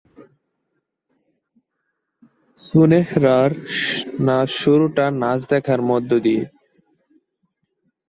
সুনেরাহ’র শুরুটা নাচ শেখার মধ্য দিয়ে।